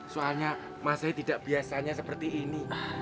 soalnya mas syed tidak biasanya seperti ini